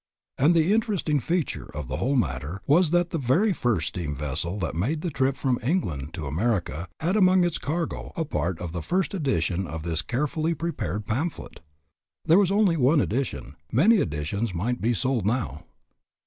And the interesting feature of the whole matter was that the very first steam vessel that made the trip from England to America, had among its cargo a part of the first edition of this carefully prepared pamphlet. There was only the one edition. Many editions might be sold now.